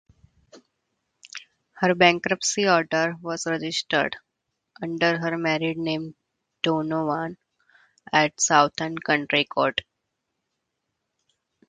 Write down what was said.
Her bankruptcy order was registered, under her married name Donovan, at Southend County Court.